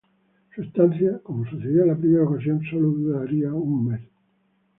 Su estancia, como sucedió en la primera ocasión, sólo duraría un mes.